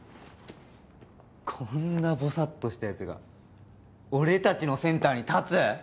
こんなボサっとしたヤツが俺たちのセンターに立つ？